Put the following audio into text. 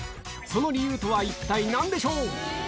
その理由とは一体なんでしょう。